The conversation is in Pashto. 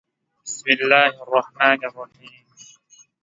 《بِسْمِ اللَّـهِ الرَّحْمَـٰنِ الرَّحِيمِ》